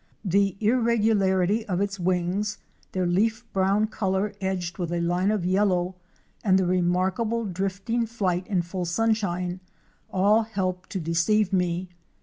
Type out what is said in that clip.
The irregularity of its wings, their leaf brown color edged with a line of yellow, and the remarkable drifting flight in full sunshine, all helped to de ceive me.